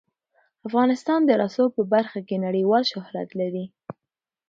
افغانستان د رسوب په برخه کې نړیوال شهرت لري.